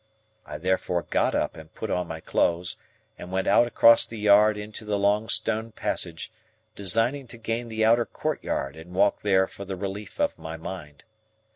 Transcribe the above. I therefore got up and put on my clothes, and went out across the yard into the long stone passage, designing to gain the outer courtyard and walk there for the relief of my mind.